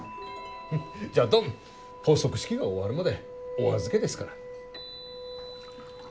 じゃっどん発足式が終わるまでお預けですから。